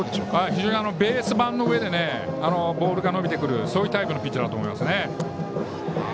非常にベース板の上でボールが伸びてくるそういうタイプのピッチャーだと思います。